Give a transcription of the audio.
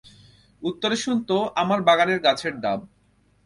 উত্তরে শুনত, আমার বাগানের গাছের ডাব।